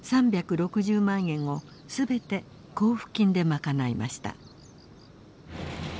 ３６０万円を全て交付金で賄いました。